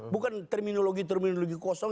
bukan terminologi terminologi kosong